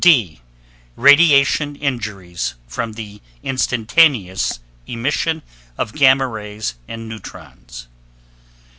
D. Radiation injuries, from the instantaneous emission of gamma rays and neutrons.